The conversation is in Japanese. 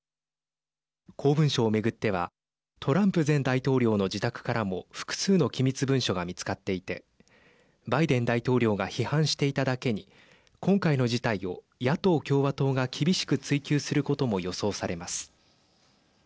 公文書を巡ってはトランプ前大統領の自宅からも複数の機密文書が見つかっていてバイデン大統領が批判していただけに今回の事態を野党・共和党が厳しく追及することも予想されます。